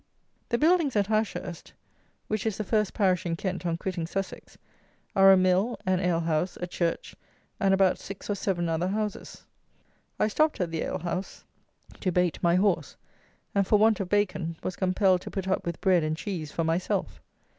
The buildings at Ashurst (which is the first parish in Kent on quitting Sussex) are a mill, an alehouse, a church, and about six or seven other houses. I stopped at the alehouse to bait my horse; and, for want of bacon, was compelled to put up with bread and cheese for myself.